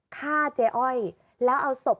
ฆ่าเจ๊อ้อยแล้วเอาศพ